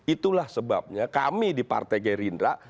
itulah sebabnya kami di partai gerindra